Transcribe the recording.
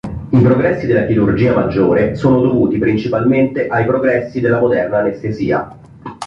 I progressi della chirurgia maggiore sono dovuti principalmente ai progressi della moderna anestesia.